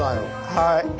はい。